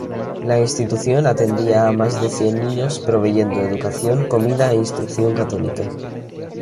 La institución atendía a más de cien niños proveyendo educación, comida e instrucción católica.